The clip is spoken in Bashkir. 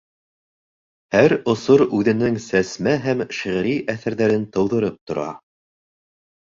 Һәр осор үҙенең сәсмә һәм шиғри әҫәрҙәрен тыуҙырып тора.